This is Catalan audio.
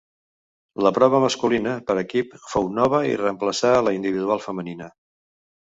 La prova masculina per equip fou nova i reemplaçà la individual femenina.